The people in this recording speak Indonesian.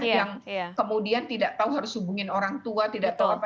yang kemudian tidak tahu harus hubungin orang tua tidak tahu apa